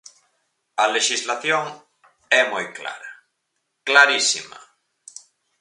A lexislación é moi clara, clarísima.